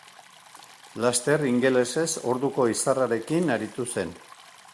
Laster ingelesez orduko izarrarekin aritu zen.